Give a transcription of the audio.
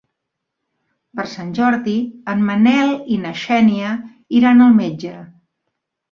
Per Sant Jordi en Manel i na Xènia iran al metge.